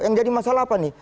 yang jadi masalah apa nih